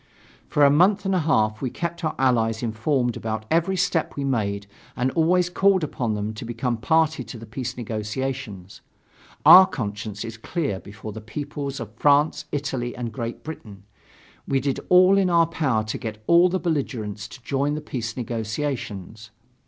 For a month and a half we kept our Allies informed about every step we made and always called upon them to become a party to the peace negotiations. Our conscience is clear before the peoples of France, Italy and Great Britain.... We did all in our power to get all the belligerents to join the peace negotiations.